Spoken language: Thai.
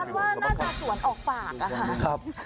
คำว่าน่าจะสวนออกปากค่ะครับ